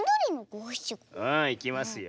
ああいきますよ。